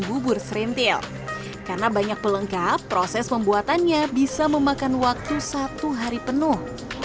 bubur serintil karena banyak pelengkap proses pembuatannya bisa memakan waktu satu hari penuh